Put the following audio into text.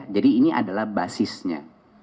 jadi ini adalah basisnya